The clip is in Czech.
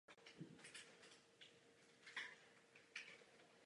V menších obcích sdružuje jedno středisko oddíly z více sídel.